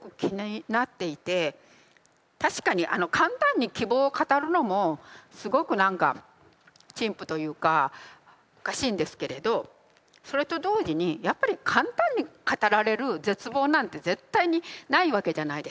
確かに簡単に希望を語るのもすごく何か陳腐というかおかしいんですけれどそれと同時にやっぱり簡単に語られる絶望なんて絶対にないわけじゃないですか。